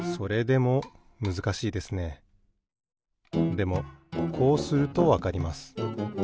でもこうするとわかります。